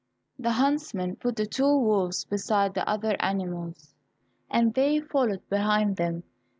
The huntsmen put the two wolves beside the other animals, and they followed behind them.